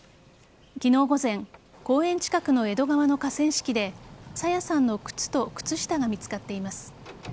昨日午前公園近くの江戸川の河川敷で朝芽さんの靴と靴下が見つかっています。